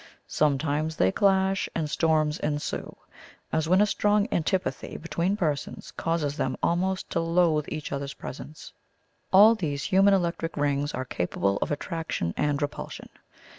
Sometimes they clash, and storm ensues, as when a strong antipathy between persons causes them almost to loathe each other's presence.) All these human electric rings are capable of attraction and repulsion.